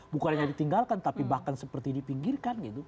bukan hanya ditinggalkan tapi bahkan seperti dipinggirkan gitu